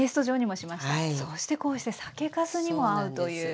そしてこうして酒かすにも合うという。